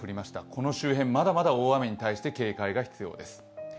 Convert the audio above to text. この周辺、まだまだ大雨に対して警戒が必要です。